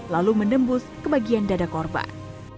lalu menembus ke bagian dada korban